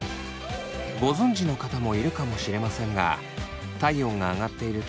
ご存じの方もいるかもしれませんが体温が上がっている時